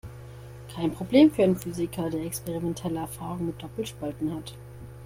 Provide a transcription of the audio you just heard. Kein Problem für einen Physiker, der experimentelle Erfahrung mit Doppelspalten hat.